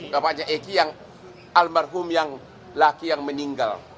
bapaknya egy yang almarhum yang laki yang meninggal